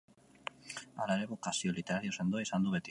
Hala ere, bokazio literario sendoa izan du beti.